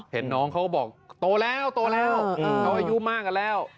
เห็นน้องเขาก็บอกโตแล้วโตแล้วเขาอายุมากกันแล้ว